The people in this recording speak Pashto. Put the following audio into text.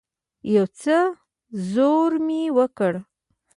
يو څه زور مې وکړ.